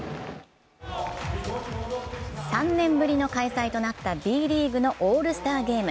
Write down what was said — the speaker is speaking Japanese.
３年ぶりの開催となったＢリーグのオールスターゲーム。